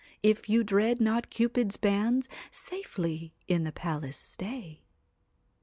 If you dread not Cupid's bands, Safely in the palace stay.'